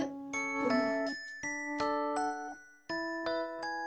うん。